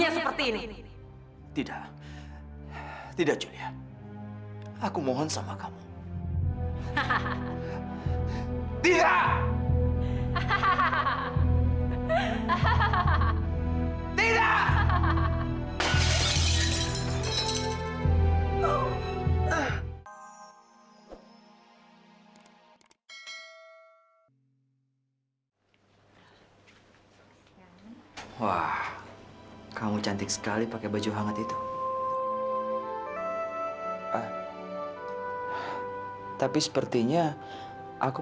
sampai jumpa di video selanjutnya